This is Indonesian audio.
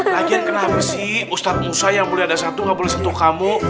lagian kenapa sih ustadz musa yang boleh ada satu nggak boleh sentuh kamu